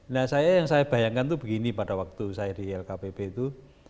nah saya yang saya bayangkan itu begini pada waktu saya di lkpp itu